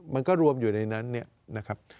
มันก็รวมอยู่ในนั้นเนี่ยนะครับ